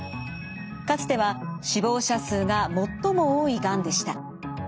かつては死亡者数が最も多いがんでした。